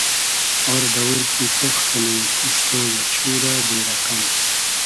آر دئوور کی تۉخ کئنی کوشتۉ یۂ , چورۂ بې رئقئم